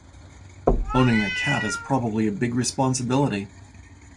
Owning a cat is probably a big responsibility